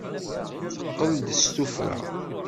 Teqqel-d s tuffra.